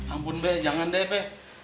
ampun b jangan deh be